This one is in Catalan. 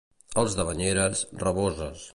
Els de Banyeres, raboses.